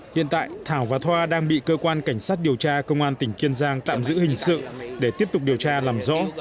hiện tại thảo và thoa đang bị cơ quan cảnh sát điều tra công an tỉnh kiên giang tạm giữ hình sự để tiếp tục điều tra làm rõ